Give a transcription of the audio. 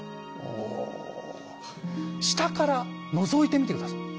下からのぞいてみて下さい。